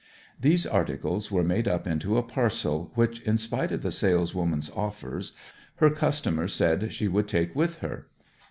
These articles were made up into a parcel which, in spite of the saleswoman's offers, her customer said she would take with her.